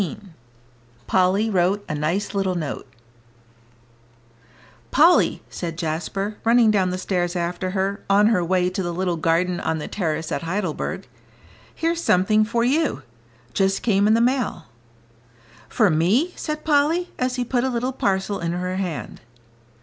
XVII POLLY WROTE A NICE LITTLE NOTE "Polly," said Jasper, running down the stairs after her, on her way to the little garden on the terrace at Heidelberg, "here's something for you; just came in the mail." "For me," said Polly, as he put a little parcel in her hand.